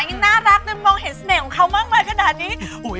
ยังน่ารักจนมองเห็นเสน่ห์ของเขามากมายขนาดนี้